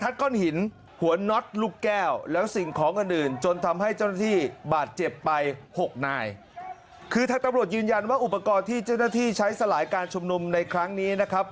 คือทางตำรวจยืนยันว่าอุปกรณ์ที่เจ้าหน้าที่ใช้สลายการชุมนุมในครั้งนี้นะครับ